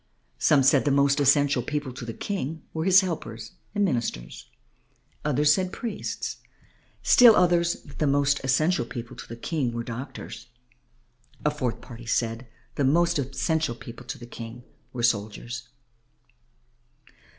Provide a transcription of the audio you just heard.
Some said that the most essential people to the King were his helpers and ministers; others said priests; still others that the most essential people to the King were doctors; a fourth party said that the most essential people to the King were soldiers.